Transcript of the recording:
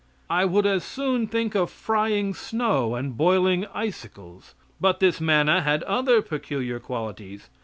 I would as soon think of frying snow and boiling icicles. But this manna had other peculiar qualities.